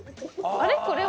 あれ？